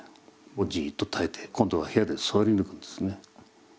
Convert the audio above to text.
じっと耐えて今度は部屋で座り抜くんですね。